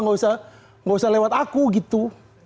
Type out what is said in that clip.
nggak usah lewat aku gitu